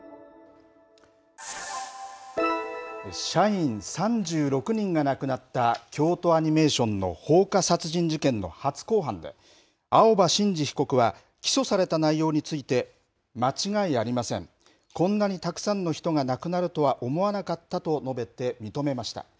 社員３６人が亡くなった京都アニメーションの放火殺人事件の初公判で、青葉真司被告は、起訴された内容について、間違いありません、こんなにたくさんの人が亡くなるとは思わなかったと述べて認めました。